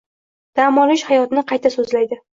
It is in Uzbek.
Dam olish, hayotni qayta sozlaydi.